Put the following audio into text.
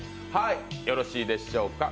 よろしいでしょうか。